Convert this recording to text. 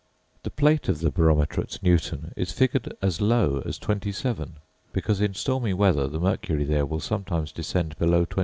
The plate of the barometer at Newton is figured as low as 27; because in stormy weather the mercury there will sometimes descend below 28.